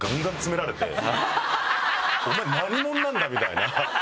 「お前何者なんだ」みたいな。